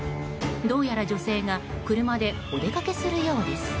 どうやら女性が車でお出かけするようです。